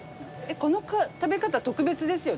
この食べ方特別ですよね？